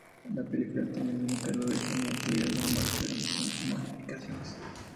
La película termina con Carla regresando a su vida normal, pero con modificaciones.